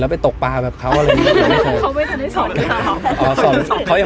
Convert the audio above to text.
แสดงว่าเราก็ติดตามที่เขาให้สำว่าน